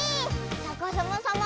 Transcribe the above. さかさまさま